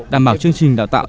đảm bảo chương trình đào tạo